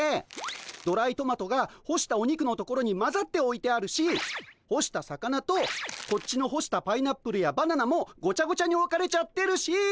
ドライトマトが干したお肉のところにまざっておいてあるし干した魚とこっちの干したパイナップルやバナナもごちゃごちゃにおかれちゃってるし。